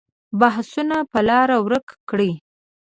بحثونه به لاره ورکه کړي.